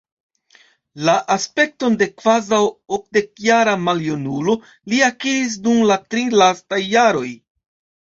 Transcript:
La aspekton de kvazaŭ okdekjara maljunulo li akiris dum la tri lastaj jaroj.